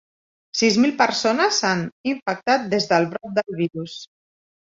Sis mil persones s'han infectat des del brot del virus.